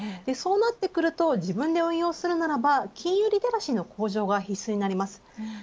そうなってくると自分で運用するならば金融リテラシーの向上が必須になります。